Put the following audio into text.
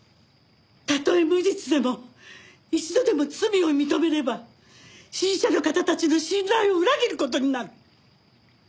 たとえ無実でも一度でも罪を認めれば支持者の方たちの信頼を裏切る事になる。